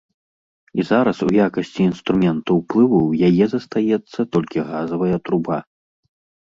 І зараз у якасці інструмента ўплыву ў яе застаецца толькі газавая труба.